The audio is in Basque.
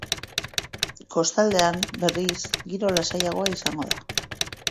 Kostaldean, berriz, giro lasaiagoa izango da.